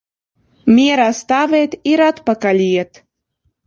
Mierā stāvēt ir atpakaļ iet.